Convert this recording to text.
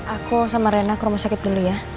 aku sama rena ke rumah sakit dulu ya